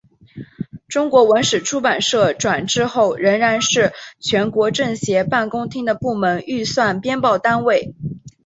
中国文史出版社转制后仍然是全国政协办公厅的部门预算编报单位。